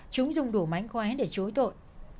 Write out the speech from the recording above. chúng dùng đủ mánh khoái để chối tội